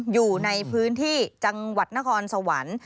อยู่ในพื้นที่จังหวัดนครสวรรค์